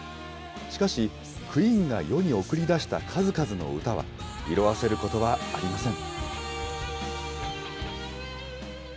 しかし、クイーンが世に送り出した数々の歌は、色あせることはありません。